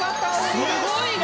すごいな！